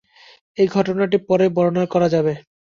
এ ঘটনাটি পরে বর্ণনা করা হবে।